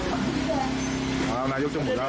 นี่ไม่ใช่สิบหวาละบอกตรงทราบ